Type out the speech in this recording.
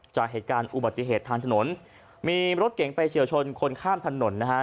จากเหตุการณ์อุบัติเหตุทางถนนมีรถเก่งไปเฉียวชนคนข้ามถนนนะฮะ